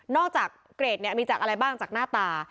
จากเกรดเนี่ยมีจากอะไรบ้างจากหน้าตา